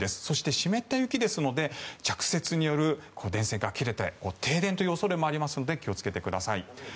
そして湿った雪ですので着雪による電線が切れて停電という恐れもありますので気を付けてください。